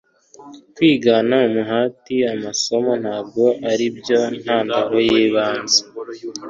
Kwigana umuhati amasomo ntabwo ari byo ntandaro yibanze